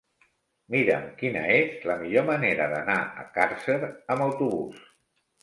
Mira'm quina és la millor manera d'anar a Càrcer amb autobús.